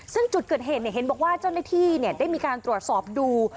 ซึ่งจุดเกิดเหตุเห็นบอกว่าเจ้าหน้าที่ได้มีการตรวจสอบดู